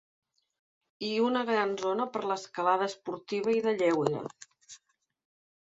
I una gran zona per l'escalada esportiva i de lleure.